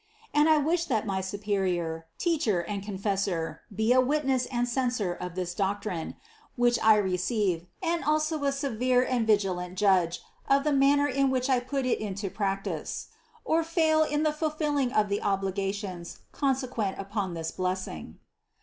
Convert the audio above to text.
And I wish that my superior, teacher and confessor be a witness and a censor of this doctrine, which I receive, and also a 16 INTRODUCTION severe and vigilant judge of the manner in which I put it into practice, or fail in the fulfilling of the obligations consequent upon this blessing.